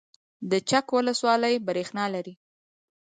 د چک ولسوالۍ بریښنا لري